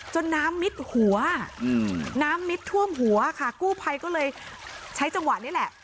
น้ำมิดหัวน้ำมิดท่วมหัวค่ะกู้ภัยก็เลยใช้จังหวะนี้แหละ